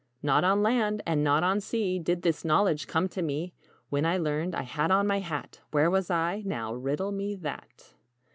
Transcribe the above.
"Not on land, and not on sea Did this knowledge come to me. When I learned, I had on my hat Where was I? Now, riddle me that?